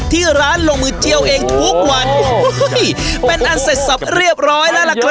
ที่ร้านลงมือเจียวเองทุกวันโอ้โหเป็นอันเสร็จสับเรียบร้อยแล้วล่ะครับ